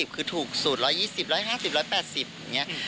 คือถูกสุด๑๒๐๑๕๐๑๘๐อย่างนี้